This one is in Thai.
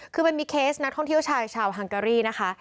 คือมันมีเคสนักท่องเที่ยวชายชาวฮังการี่นะคะ